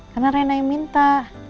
karena rena yang minta